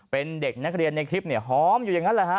เป็นเด็กนักเรียนในคลิปเนี่ยหอมอยู่อย่างนั้นแหละฮะ